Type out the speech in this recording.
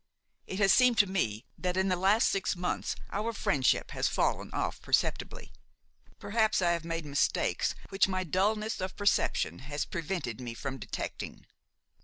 It has seemed to me that in the last six months our friendship has fallen off perceptibly. Perhaps I have made mistakes which my dulness of perception has prevented me from detecting.